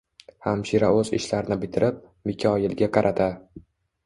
Hamshira o`z ishlarini bitirib, Mikoyilga qarata